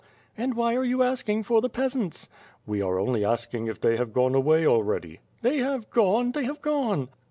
"And whj^ are you asking for the peasants?" "We are only asking if they have gone away already." "They have gone! They have gone!"